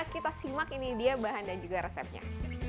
kita simak ini dia bahan dan juga resepnya